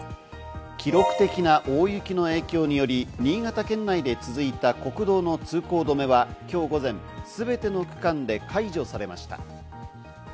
記録的な大雪の影響により、新潟県内で続いた国道の通行止めはきょう午前、すべての区間で解除されました。